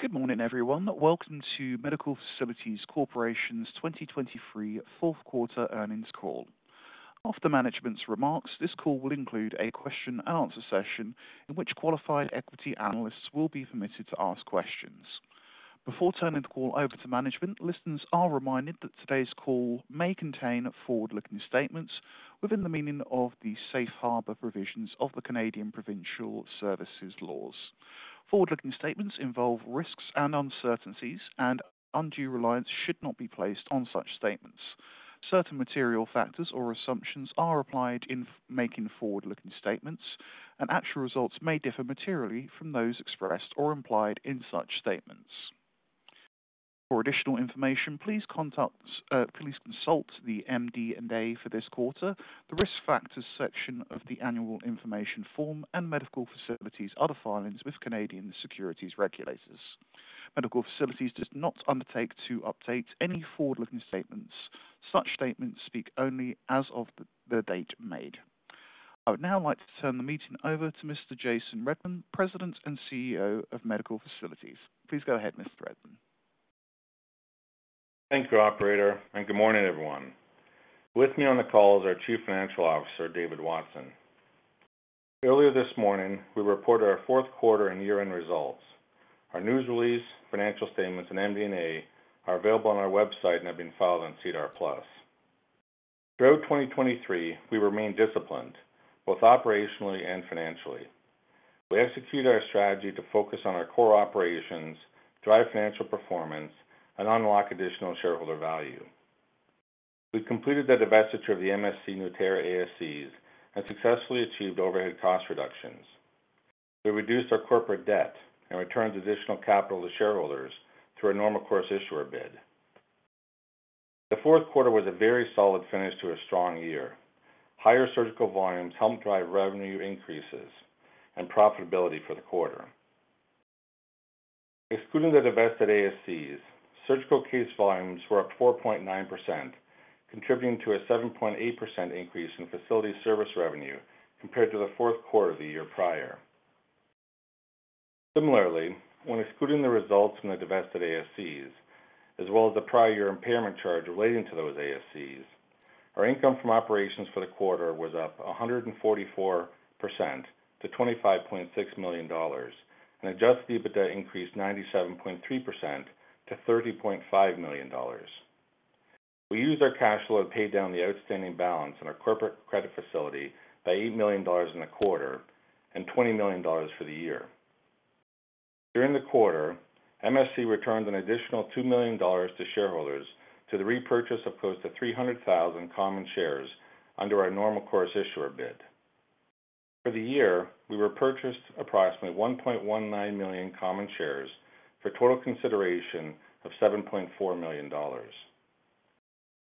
Good morning, everyone. Welcome to Medical Facilities Corporation's 2023 fourth quarter earnings call. After management's remarks, this call will include a question-and-answer session in which qualified equity analysts will be permitted to ask questions. Before turning the call over to management, listeners are reminded that today's call may contain forward-looking statements within the meaning of the safe harbor provisions of the Canadian provincial securities laws. Forward-looking statements involve risks and uncertainties, and undue reliance should not be placed on such statements. Certain material factors or assumptions are applied in making forward-looking statements, and actual results may differ materially from those expressed or implied in such statements. For additional information, please consult the MD&A for this quarter, the Risk Factors section of the annual information form, and Medical Facilities' other filings with Canadian securities regulators. Medical Facilities does not undertake to update any forward-looking statements. Such statements speak only as of the date made. I would now like to turn the meeting over to Mr. Jason Redman, President and CEO of Medical Facilities. Please go ahead, Mr. Redman. Thank you, operator, and good morning, everyone. With me on the call is our Chief Financial Officer, David Watson. Earlier this morning, we reported our fourth quarter and year-end results. Our news release, financial statements, and MD&A are available on our website and have been filed on SEDAR+. Throughout 2023, we remained disciplined, both operationally and financially. We executed our strategy to focus on our core operations, drive financial performance, and unlock additional shareholder value. We completed the divestiture of the MFC Nueterra ASCs and successfully achieved overhead cost reductions. We reduced our corporate debt and returned additional capital to shareholders through a normal course issuer bid. The fourth quarter was a very solid finish to a strong year. Higher surgical volumes helped drive revenue increases and profitability for the quarter. Excluding the divested ASCs, surgical case volumes were up 4.9%, contributing to a 7.8% increase in facility service revenue compared to the fourth quarter of the year prior. Similarly, when excluding the results from the divested ASCs, as well as the prior year impairment charge relating to those ASCs, our income from operations for the quarter was up 144% to $25.6 million, and Adjusted EBITDA increased 97.3% to $30.5 million. We used our cash flow to pay down the outstanding balance on our Corporate Credit Facility by $8 million in the quarter and $20 million for the year. During the quarter, MFC returned an additional $2 million to shareholders through the repurchase of close to 300,000 common shares under our Normal Course Issuer Bid. For the year, we repurchased approximately 1.19 million common shares for a total consideration of $7.4 million.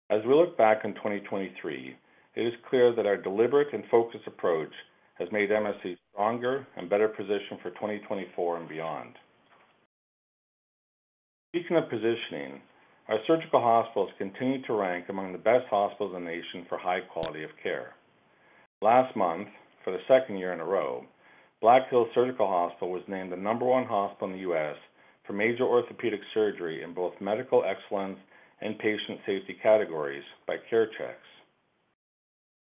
As we look back on 2023, it is clear that our deliberate and focused approach has made MFC stronger and better positioned for 2024 and beyond. Speaking of positioning, our surgical hospitals continue to rank among the best hospitals in the nation for high quality of care. Last month, for the second year in a row, Black Hills Surgical Hospital was named the number one hospital in the U.S. for major orthopedic surgery in both medical excellence and patient safety categories by CareChex.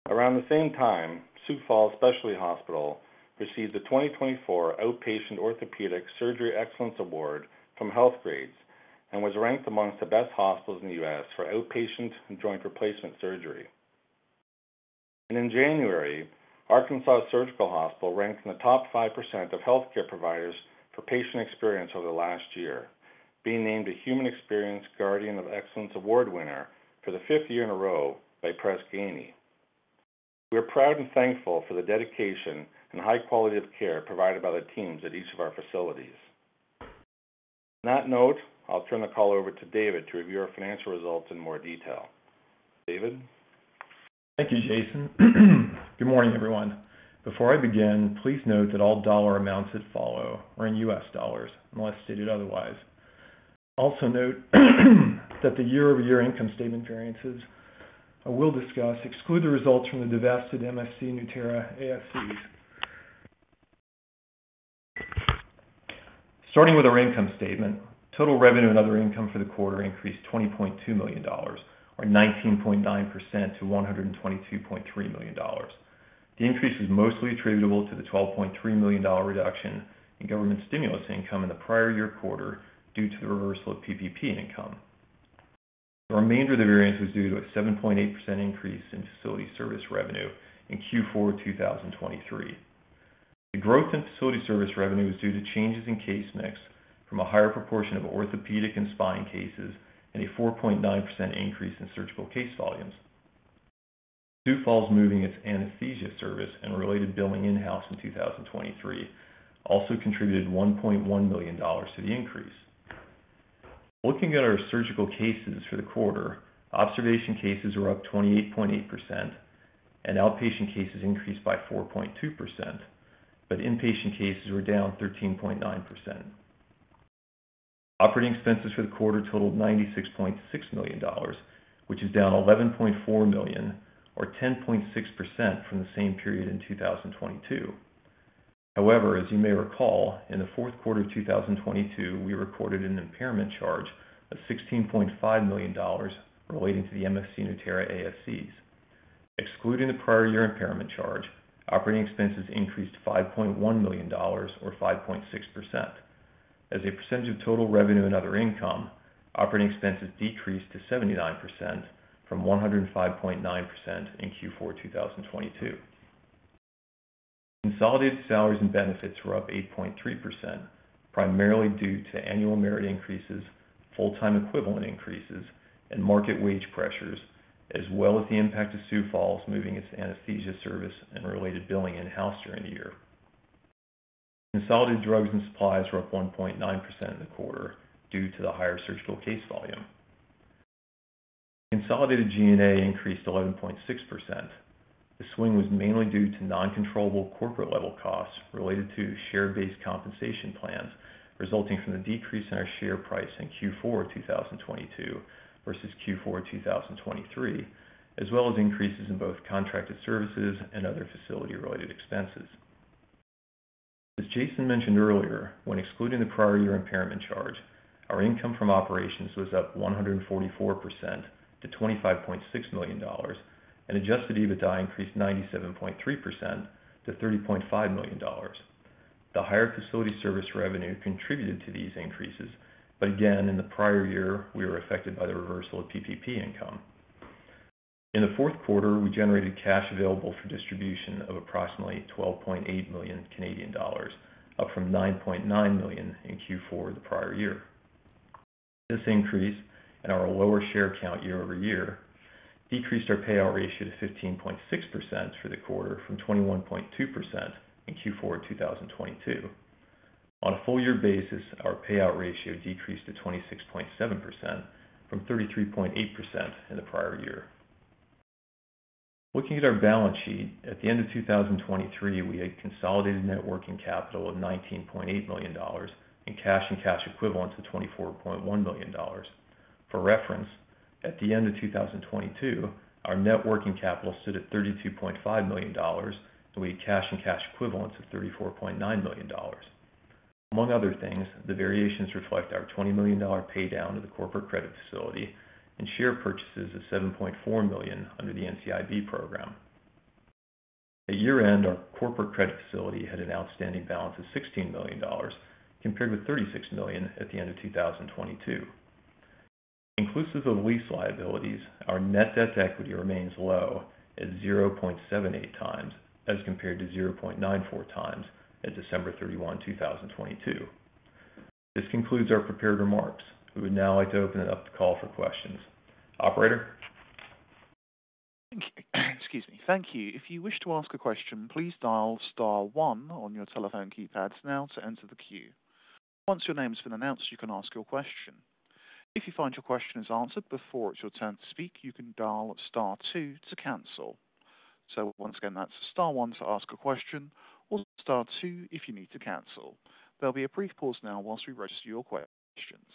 Around the same time, Sioux Falls Specialty Hospital received the 2024 Outpatient Orthopedic Surgery Excellence Award from Healthgrades and was ranked amongst the best hospitals in the U.S. for outpatient and joint replacement surgery. In January, Arkansas Surgical Hospital ranked in the top 5% of healthcare providers for patient experience over the last year, being named a Human Experience Guardian of Excellence Award winner for the fifth year in a row by Press Ganey. We are proud and thankful for the dedication and high quality of care provided by the teams at each of our facilities. On that note, I'll turn the call over to David to review our financial results in more detail. David? Thank you, Jason. Good morning, everyone. Before I begin, please note that all dollar amounts that follow are in US dollars, unless stated otherwise. Also note, that the year-over-year income statement variances I will discuss exclude the results from the divested MFC Nueterra ASCs. Starting with our income statement, total revenue and other income for the quarter increased $20.2 million or 19.9% to $122.3 million. The increase was mostly attributable to the $12.3 million reduction in government stimulus income in the prior year quarter due to the reversal of PPP income. The remainder of the variance was due to a 7.8% increase in facility service revenue in Q4 2023. The growth in facility service revenue was due to changes in case mix from a higher proportion of orthopedic and spine cases, and a 4.9% increase in surgical case volumes. Sioux Falls moving its anesthesia service and related billing in-house in 2023 also contributed $1.1 million to the increase. Looking at our surgical cases for the quarter, observation cases were up 28.8% and outpatient cases increased by 4.2%, but inpatient cases were down 13.9%. Operating expenses for the quarter totaled $96.6 million, which is down $11.4 million, or 10.6%, from the same period in 2022. However, as you may recall, in the fourth quarter of 2022, we recorded an impairment charge of $16.5 million relating to the MFC Nueterra ASCs. Excluding the prior year impairment charge, operating expenses increased to $5.1 million, or 5.6%. As a percentage of total revenue and other income, operating expenses decreased to 79% from 105.9% in Q4 2022. Consolidated salaries and benefits were up 8.3%, primarily due to annual merit increases, full-time equivalent increases, and market wage pressures, as well as the impact of Sioux Falls moving its anesthesia service and related billing in-house during the year. Consolidated drugs and supplies were up 1.9% in the quarter due to the higher surgical case volume. Consolidated G&A increased 11.6%. The swing was mainly due to non-controllable corporate-level costs related to share-based compensation plans, resulting from the decrease in our share price in Q4 2022 versus Q4 2023, as well as increases in both contracted services and other facility-related expenses. As Jason mentioned earlier, when excluding the prior year impairment charge, our income from operations was up 144% to $25.6 million, and adjusted EBITDA increased 97.3% to $30.5 million. The higher facility service revenue contributed to these increases, but again, in the prior year, we were affected by the reversal of PPP income. In the fourth quarter, we generated cash available for distribution of approximately 12.8 million Canadian dollars, up from 9.9 million in Q4 the prior year. This increase in our lower share count year-over-year decreased our payout ratio to 15.6% for the quarter, from 21.2% in Q4 2022. On a full year basis, our payout ratio decreased to 26.7% from 33.8% in the prior year. Looking at our balance sheet, at the end of 2023, we had consolidated net working capital of $19.8 million and cash and cash equivalents of $24.1 million. For reference, at the end of 2022, our net working capital stood at $32.5 million, and we had cash and cash equivalents of $34.9 million. Among other things, the variations reflect our $20 million pay down to the corporate credit facility and share purchases of $7.4 million under the NCIB program. At year-end, our corporate credit facility had an outstanding balance of $16 million, compared with $36 million at the end of 2022. Inclusive of lease liabilities, our net debt to equity remains low at 0.78 times, as compared to 0.94 times at December 31, 2022. This concludes our prepared remarks. We would now like to open it up to call for questions. Operator? Excuse me. Thank you. If you wish to ask a question, please dial star one on your telephone keypads now to enter the queue. Once your name has been announced, you can ask your question. If you find your question is answered before it's your turn to speak, you can dial star two to cancel. So once again, that's star one to ask a question or star two if you need to cancel. There'll be a brief pause now whilst we register your questions.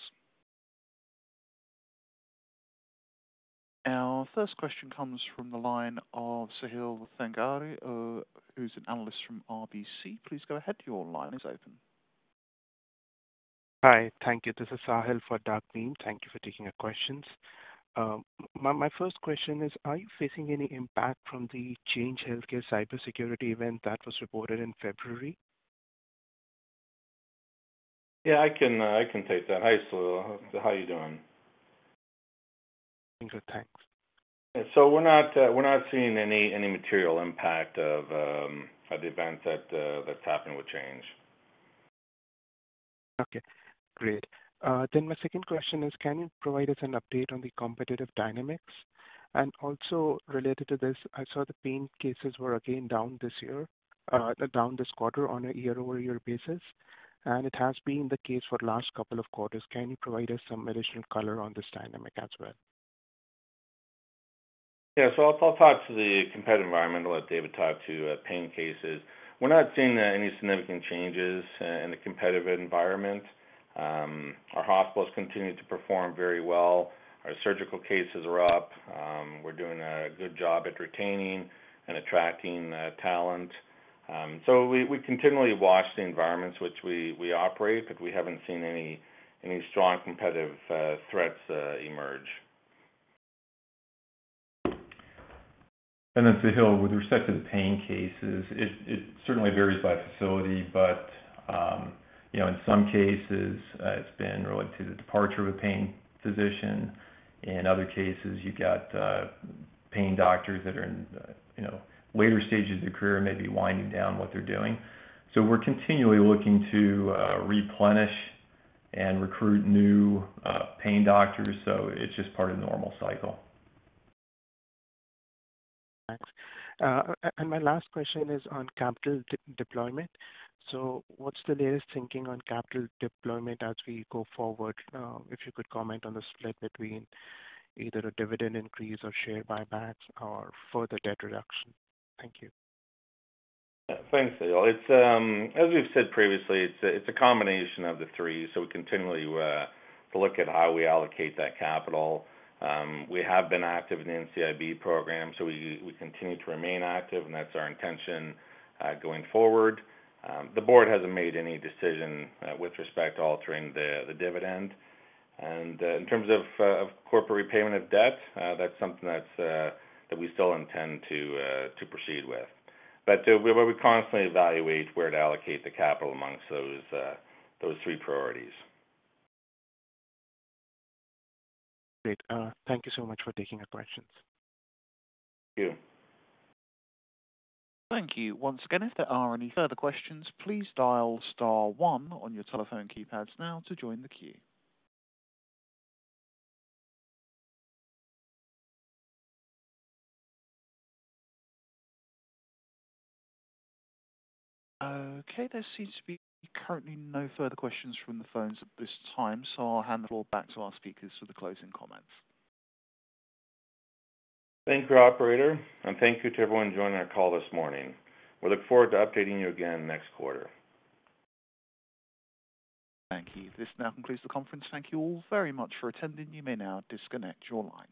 Our first question comes from the line of Sahil Sangari, who's an analyst from RBC. Please go ahead. Your line is open. Hi. Thank you. This is Sahil for Douglas Miehm. Thank you for taking our questions. My first question is: Are you facing any impact from the Change Healthcare cybersecurity event that was reported in February? Yeah, I can, I can take that. Hi, Sahil. How are you doing? I'm good, thanks. So we're not seeing any material impact of the event that's happened with Change. Okay, great. Then my second question is: Can you provide us an update on the competitive dynamics? And also related to this, I saw the pain cases were again down this year, down this quarter on a year-over-year basis, and it has been the case for the last couple of quarters. Can you provide us some additional color on this dynamic as well? Yeah. So I'll talk to the competitive environment and let David talk to pain cases. We're not seeing any significant changes in the competitive environment. Our hospitals continue to perform very well. Our surgical cases are up. We're doing a good job at retaining and attracting talent. So we continually watch the environments which we operate, but we haven't seen any strong competitive threats emerge. And then, Sahil, with respect to the pain cases, it certainly varies by facility, but, you know, in some cases, it's been related to the departure of a pain physician. In other cases, you've got, pain doctors that are in, you know, later stages of their career, maybe winding down what they're doing. So we're continually looking to, replenish and recruit new, pain doctors. So it's just part of the normal cycle. Thanks. My last question is on capital deployment. So what's the latest thinking on capital deployment as we go forward? If you could comment on the split between either a dividend increase or share buybacks or further debt reduction. Thank you. Thanks, Sahil. It's... As we've said previously, it's a combination of the three, so we continually look at how we allocate that capital. We have been active in the NCIB program, so we continue to remain active, and that's our intention going forward. The board hasn't made any decision with respect to altering the dividend. And in terms of corporate repayment of debt, that's something that we still intend to proceed with. But we constantly evaluate where to allocate the capital amongst those three priorities. Great. Thank you so much for taking our questions. Thank you. Thank you. Once again, if there are any further questions, please dial star one on your telephone keypads now to join the queue. Okay, there seems to be currently no further questions from the phones at this time, so I'll hand it all back to our speakers for the closing comments. Thank you, operator, and thank you to everyone who joined our call this morning. We look forward to updating you again next quarter. Thank you. This now concludes the conference. Thank you all very much for attending. You may now disconnect your lines.